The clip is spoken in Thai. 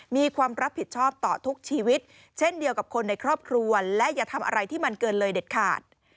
มีความรับผิดชอบต่อทุกชีวิตเช่นเดียวกับคนในครอบครัวและอย่าทำอะไรที่มันเกินเลยเด็ดขาด